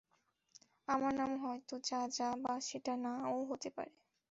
আমার নাম হয়তো যা যা, বা সেটা না-ও হতে পারে।